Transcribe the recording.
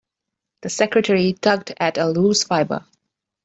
The secretary tugged at a loose fibre.